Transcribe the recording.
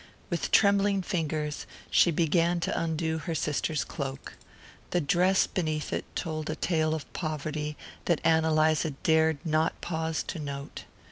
With trembling fingers she began to undo her sister's cloak. The dress beneath it told a tale of poverty that Ann Eliza dared not pause to note.